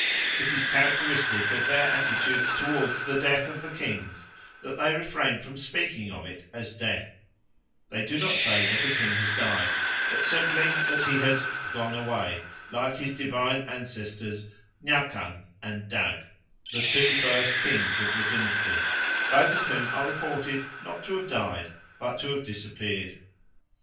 It is characteristic of their attitude towards the death of the kings that they refrain from speaking of it as death: they do not say that a king has died but simply that he has "gone away" like his divine ancestors Nyakang and Dag, the two first kings of the dynasty, both of whom are reported not to have died but to have disappeared.